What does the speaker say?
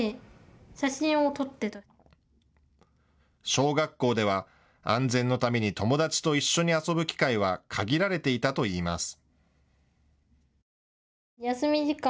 小学校では安全のために友達と一緒に遊ぶ機会は限られていたといいます。